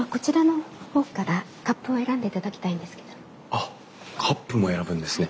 あっカップも選ぶんですね。